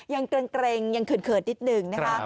ยังเกรงเล่นยังเขินเขินนิดหนึ่งนะฮะ